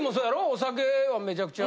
お酒はめちゃくちゃ。